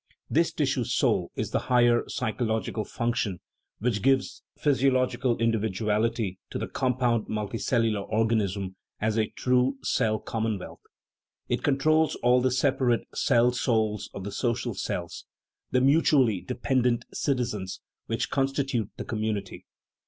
This " tissue soul " is the higher psychologi cal function which gives physiological individuality to the compound multicellular organism as a true "cell commonwealth." It controls all the separate " cell souls " of the social cells the mutually dependent "citizens" which constitute the community.